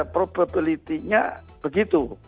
probability nya begitu